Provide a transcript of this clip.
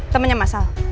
temennya mas sal